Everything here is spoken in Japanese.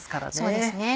そうですね。